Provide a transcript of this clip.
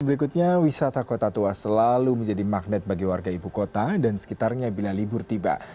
berikutnya wisata kota tua selalu menjadi magnet bagi warga ibu kota dan sekitarnya bila libur tiba